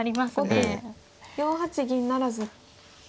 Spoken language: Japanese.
後手４八銀不成。